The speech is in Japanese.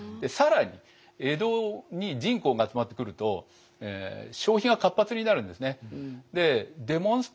更に江戸に人口が集まってくると消費が活発になるんですね。